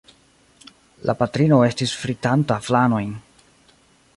La patrino estis fritanta flanojn.